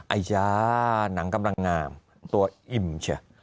อัญญาหนังกำลังงามตัวอิ่มเฉย